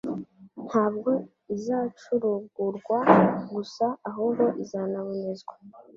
ntabwo izacurugurwa gusa ahubwo izanabonezwa.